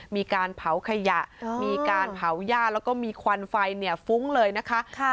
มีการเผาขยะมีการเผาย่าแล้วก็มีควันไฟฟุ้งเลยนะคะ